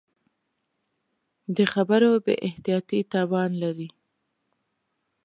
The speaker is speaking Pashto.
د خبرو بې احتیاطي تاوان لري